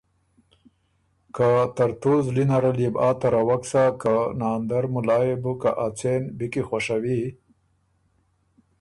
که ترتُو زلی نرل يې بو آ تروک سۀ که ناندر ملا يې بو که ا څېن بی کی خوَشوی